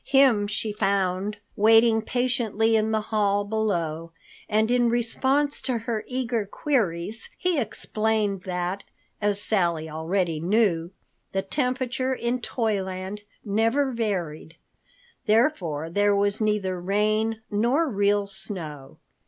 Him she found waiting patiently in the hall below, and in response to her eager queries, he explained that, as Sally already knew, the temperature in Toyland never varied. Therefore there was neither rain nor real snow.